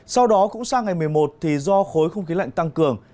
sau đó cũng sang ngày một mươi một thì do khối không khí lạnh tăng cường